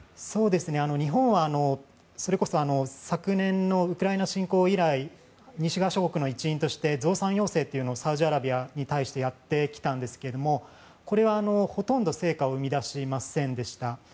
日本はそれこそ昨年のウクライナ侵攻以来西側諸国の一員として増産要請というのをサウジアラビアに対してやってきたんですがこれはほとんど成果を生み出しませんでした。